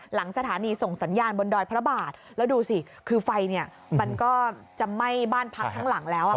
หลังสถานีส่งสัญญาณบนดอยพระบาทแล้วดูสิคือไฟเนี่ยมันก็จะไหม้บ้านพักทั้งหลังแล้วอ่ะ